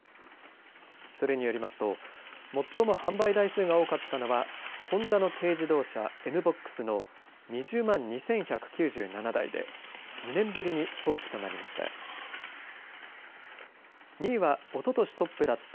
それによりますと最も販売台数が多かったのはホンダの軽自動車Ｎ‐ＢＯＸの２０万２１９７台で２年ぶりにトップとなりました。